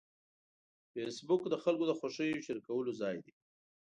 فېسبوک د خلکو د خوښیو شریکولو ځای دی